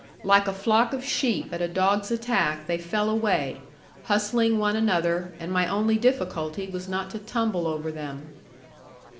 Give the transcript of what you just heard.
Like a flock of sheep at a dog's attack they fell away, hustling one another, and my only difficulty was not to tumble over them.